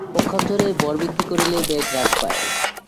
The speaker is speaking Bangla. পক্ষান্তরে ভর বৃদ্ধি করিলে বেগ হ্রাস পায়।